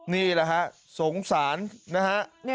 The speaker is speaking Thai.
นี่แหละฮะสงสารนะฮะ